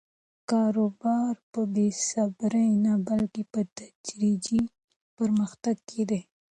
کاروبار په بې صبري نه، بلکې په تدریجي پرمختګ کې دی.